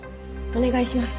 お願いします。